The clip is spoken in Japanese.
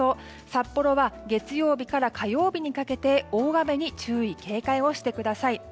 札幌は月曜日から火曜日にかけて大雨に注意・警戒をしてください。